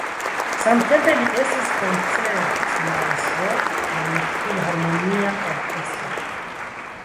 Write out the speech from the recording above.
Samtempe li estis koncertmajstro en filharmonia orkestro.